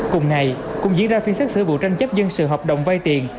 cùng ngày cũng diễn ra phiên xác xử vụ tranh chấp dân sự hợp đồng vay tiền